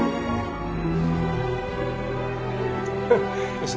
よし。